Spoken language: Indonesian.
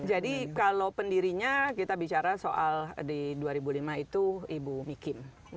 jadi kalau pendirinya kita bicara soal di dua ribu lima itu ibu miki